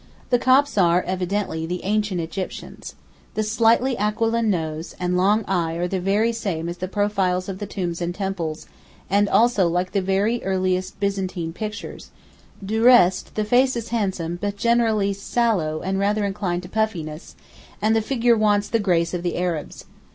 The Copts are evidently the ancient Egyptians. The slightly aquiline nose and long eye are the very same as the profiles of the tombs and temples, and also like the very earliest Byzantine pictures; du reste, the face is handsome, but generally sallow and rather inclined to puffiness, and the figure wants the grace of the Arabs.